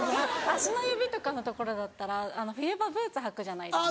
足の指とかの所だったら冬場ブーツ履くじゃないですか。